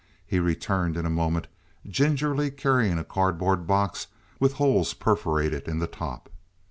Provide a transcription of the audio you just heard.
He returned in a moment, gingerly carrying a cardboard box with holes perforated in the top.